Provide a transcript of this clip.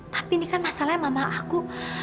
tapi ini kan masalahnya mama aku